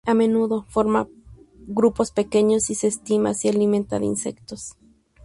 A menudo forma grupos pequeños y se estima se alimenta de insectos.